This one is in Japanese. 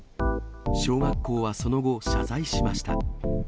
小学校はその後、謝罪しました。